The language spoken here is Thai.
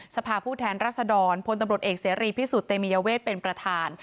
สภาพผู้แทนรัศดรพลตำรวจเอกเสรีพิสุทธิ์เตมียเวทเป็นประธาน